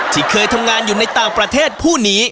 ที่เคยทำงานอยู่ในต่างประเทศผู้นี้